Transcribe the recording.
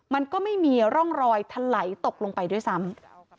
มันก็ไม่มีร่องรอยทะไหลตกลงไปด้วยซ้ำ